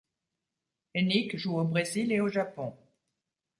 Henik joue au Brésil et au Japon.